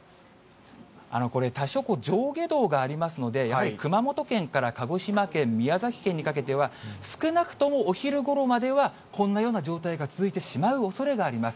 これ、多少上下動がありますので、やはり熊本県から鹿児島県、宮崎県にかけては、少なくともお昼ごろまでは、こんなような状態が続いてしまうおそれがあります。